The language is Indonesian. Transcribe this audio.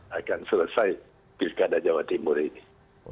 satu putaran akan selesai piskada jawa timur ini